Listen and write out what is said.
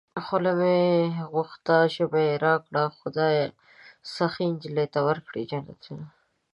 خوله مې غوښته ژبه يې راکړه خدايه سخي نجلۍ ته ورکړې جنتونه